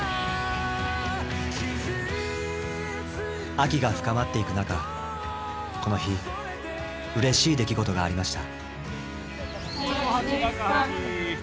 秋が深まっていく中この日うれしい出来事がありました。